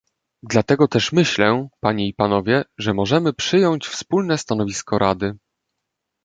Dlatego też myślę, panie i panowie, że możemy przyjąć wspólne stanowisko Rady